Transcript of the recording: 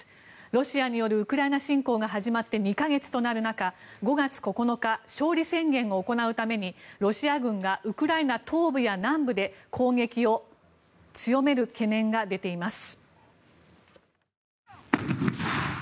ロシアによるウクライナ侵攻が始まって２か月となる中５月９日、勝利宣言を行うためにロシア軍がウクライナ東部や南部で攻撃を強める懸念が出ています。